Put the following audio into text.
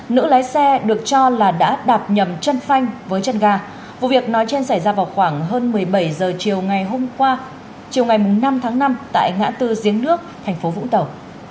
nữ lái xe được cho là đã đạp nhầm chân phanh với chân ga vụ việc nói trên xảy ra vào khoảng hơn một mươi bảy h chiều ngày hôm qua chiều ngày năm tháng năm tại ngã tư giếng nước thành phố vũng tàu